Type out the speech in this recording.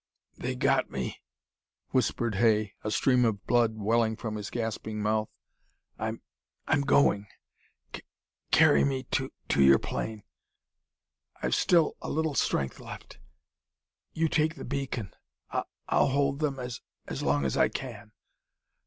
"They got me," whispered Hay, a stream of blood welling from his gasping mouth. "I'm I'm going. C carry me to to your plane. I've still a a little strength left. You take the beacon. I I'll hold them as as long as I can.